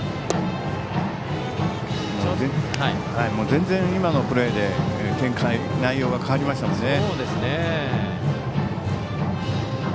全然、今のプレーで展開、内容が変わりましたね。